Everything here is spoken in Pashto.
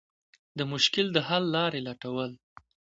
د مشکل د حل لارې لټول.